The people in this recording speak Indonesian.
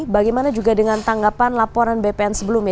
bagaimana juga dengan tanggapan laporan bpn sebelumnya